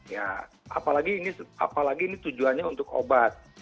ya apalagi ini apalagi ini tujuannya untuk obat